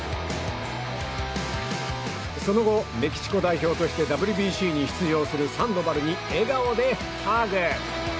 その後、メキシコ代表としてＷＢＣに出場するサンドバルに笑顔でハグ。